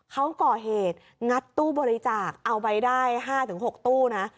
เขาก่อเหตุงัดตู้บริจาคเอาไปได้๕๖ตู้นะ